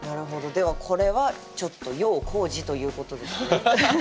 ではこれはちょっと要工事ということですかね？